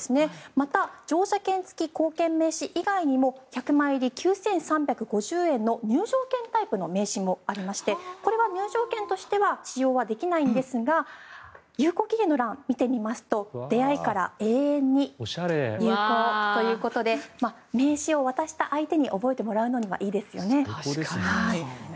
また乗車券付き硬券名刺以外にも１００枚入り９３５０円の入場券タイプの名刺もありましてこれは入場券としては使用はできないんですが有効期限の欄を見てみますと出会いから永遠に有効ということで名刺を渡した相手に覚えてもらうのには覚えてもらうにはいいですよね。